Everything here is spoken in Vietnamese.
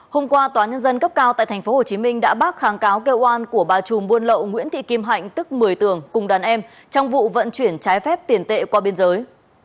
hôm qua tòa nhân dân cấp cao tại tp hcm đã bác kháng cáo kêu oan của bà chùm buôn lậu nguyễn thị kim hạnh tức một mươi tường cùng đàn em trong vụ vận chuyển trái phép tiền tệ qua biên giới